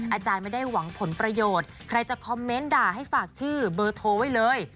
อาจารย์ไม่ได้หวังผลประโยชน์ใครจะคอมเมนต์ด่าให้ฝากชื่อเบอร์โทรไว้เลย